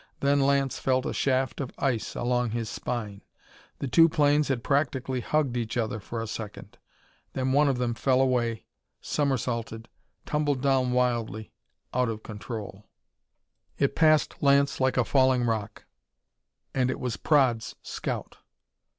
Then Lance felt a shaft of ice along his spine. The two planes had practically hugged each other for a second. Then one of them fell away, somersaulted, tumbled down wildly out of control. It passed Lance like a falling rock. And it was Praed's scout!